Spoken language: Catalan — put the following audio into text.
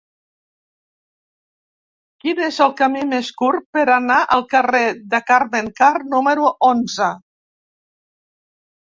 Quin és el camí més curt per anar al carrer de Carme Karr número onze?